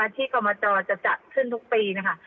กรมจจะจัดขึ้นทุกปีนะคะ